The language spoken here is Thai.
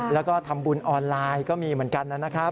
แล้วก็ทำบุญออนไลน์ก็มีเหมือนกันนะครับ